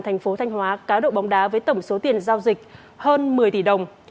thành phố thanh hóa cá độ bóng đá với tổng số tiền giao dịch hơn một mươi tỷ đồng